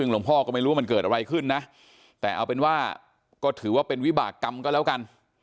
หลวงพ่อก็ไม่รู้ว่ามันเกิดอะไรขึ้นนะแต่เอาเป็นว่าก็ถือว่าเป็นวิบากรรมก็แล้วกัน